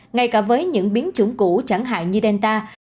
ngay cả với những biến chủng cũ chẳng hạn như delta